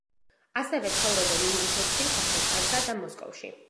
ასევე ცხოვრობენ ინგუშეთში, დაღესტანსა და მოსკოვში.